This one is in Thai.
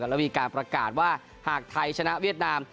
แล้วมีการประกาศว่าหากไทยชนะเวียดนาม